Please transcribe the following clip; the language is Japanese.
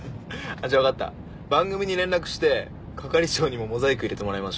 じゃあ分かった番組に連絡して係長にもモザイク入れてもらいましょうよ。